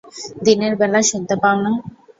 দিনের বেলা শুনতে পাও না?